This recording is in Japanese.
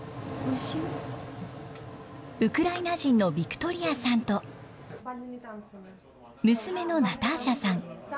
ウクライナ人のヴィクトリアさんと娘のナターシャさん。